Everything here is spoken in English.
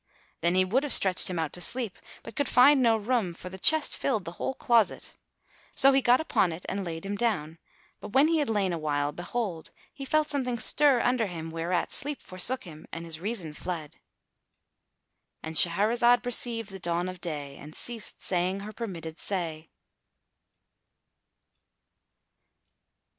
Then he would have stretched him out to sleep, but could find no room; for the chest filled the whole closet. So he got upon it and lay him down; but, when he had lain awhile, behold, he felt something stir under him whereat sleep forsook him and his reason fled.—And Shahrazad perceived the dawn of day and ceased saying her permitted say.